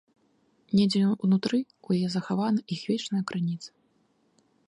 Недзе ўнутры ў яе захавана іх вечная крыніца.